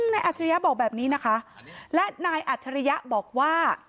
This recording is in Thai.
อัจฉริยะบอกแบบนี้นะคะและนายอัจฉริยะบอกว่า